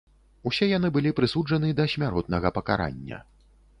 Усе яны былі прысуджаны да смяротнага пакарання.